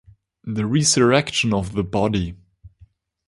the resurrection of the body